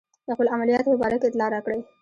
د خپلو عملیاتو په باره کې اطلاع راکړئ.